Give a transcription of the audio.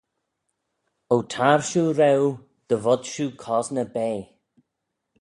O tar shiu reue, dy vod shiu cosney bea.